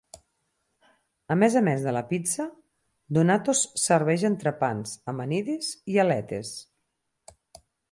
A més a més de la pizza, Donatos serveix entrepans, amanides i aletes.